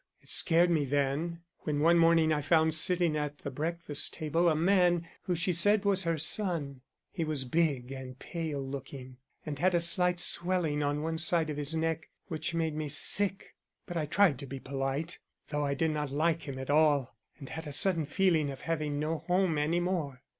It scared me then when one morning I found sitting at the breakfast table a man who she said was her son. He was big and pale looking, and had a slight swelling on one side of his neck which made me sick; but I tried to be polite, though I did not like him at all and had a sudden feeling of having no home any more.